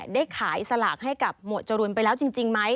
ได้ขายสลากให้กับหมวดจรูนไปแล้วจริงไหม